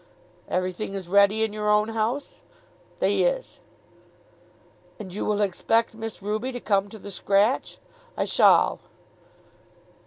"Everything is ready in your own house?" "They is." "And you will expect Miss Ruby to come to the scratch?" "I sholl."